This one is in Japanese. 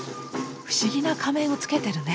不思議な仮面をつけてるね。